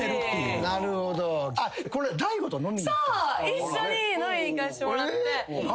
一緒に飲みに行かせてもらって。